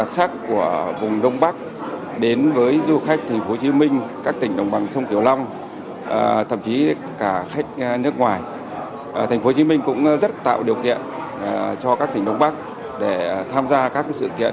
sở du lịch tp hcm cũng rất tạo điều kiện cho các tỉnh đông bắc để tham gia các sự kiện